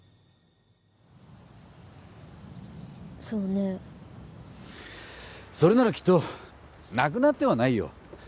そうねそれならきっとなくなってはないよ